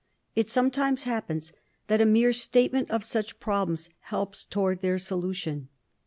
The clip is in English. It 'sometimes happens that a mere statement of such problems helps towards their solution.